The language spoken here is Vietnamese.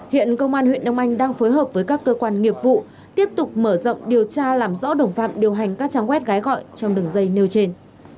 hiện công an huyện đông anh đang phối hợp với các cơ quan nghiệp vụ tiếp tục mở rộng điều tra làm rõ đồng phạm điều hành các trang web gái gọi trong đường dây nêu trên